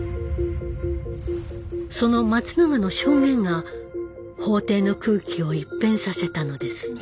その松永の証言が法廷の空気を一変させたのです。